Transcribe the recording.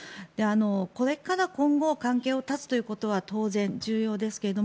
これから今後、関係を断つということは当然重要ですけども